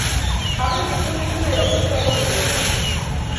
هغې په خپلو شونډو یو پټ راز درلود.